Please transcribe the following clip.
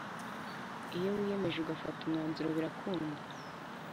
iyo wiyemeje ugafata umwanzuro birakunda